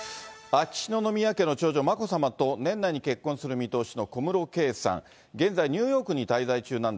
秋篠宮家の長女、眞子さまと年内に結婚する見通しの小室圭さん。